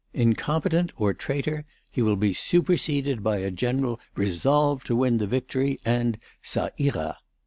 Incompetent or traitor, he will be superseded by a General resolved to win the victory, and _ça ira!